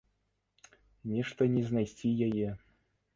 Нешта не знайсці яе.